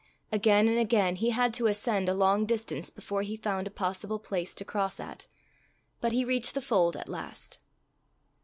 Again and again he had to ascend a long distance before he found a possible place to cross at; but he reached the fold at last.